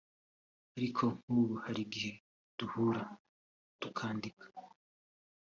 Ariko nk’ubu hari igihe duhura tukandika